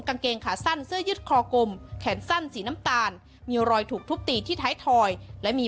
กางเกงขาสั้นเสื้อยึดคอกลมแขนสั้นสีน้ำตาลมีรอยถูกทุบตีที่ท้ายถอยและมี